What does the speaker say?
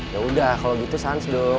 yaudah kalo gitu sans dong